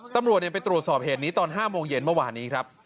ตำรวจไปตรวจสอบเหตุนี้ตอน๕โมงเย็นเมื่อวานนี้ครับ